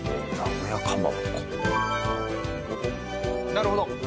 なるほど！